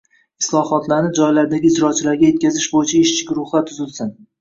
islohotlarni joylardagi ijrochilarga yetkazish bo‘yicha ishchi guruhlar tuzilsin.